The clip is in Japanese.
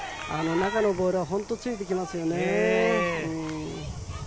中のボールは本当についてきますよね。